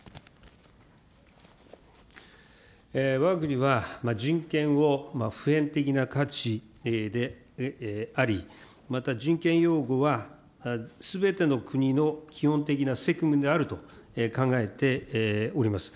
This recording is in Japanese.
わが国は人権を普遍的な価値であり、また人権擁護はすべての国の基本的な責務であると考えております。